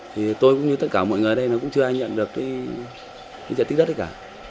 thì tôi cũng như tất cả mọi người ở đây nó cũng chưa ai nhận được cái diện tích đất cả